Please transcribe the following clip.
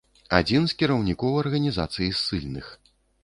Адзін з кіраўнікоў арганізацыі ссыльных.